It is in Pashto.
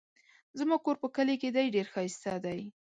زما کور په کلي کې دی ډېر ښايسته دی